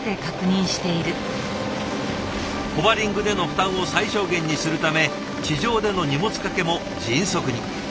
ホバリングでの負担を最小限にするため地上での荷物掛けも迅速に。